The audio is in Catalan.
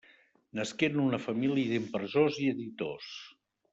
Nasqué en una família d'impressors i editors.